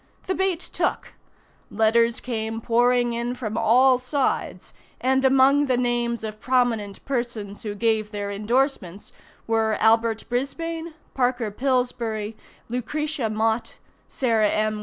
The bait took. Letters came pouring in from all sides, and among the names of prominent persons who gave their indorsements were Albert Brisbane, Parker Pillsbury, Lucretia Mott, Sarah M.